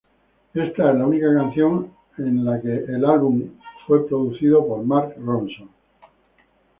Esta es la única canción en el álbum que fue producido por Mark Ronson.